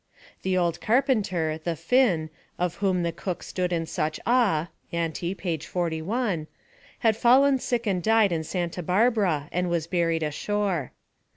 The old carpenter, the Fin, of whom the cook stood in such awe (ante p. 41), had fallen sick and died in Santa Barbara, and was buried ashore.